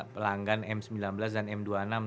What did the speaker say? pelanggan m sembilan belas dan m dua puluh enam